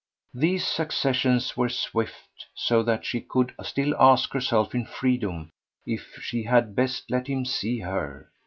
These successions were swift, so that she could still ask herself in freedom if she had best let him see her.